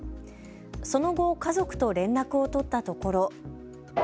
その後、家族と連絡を取ったところ。